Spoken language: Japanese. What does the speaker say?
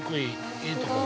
いいところ。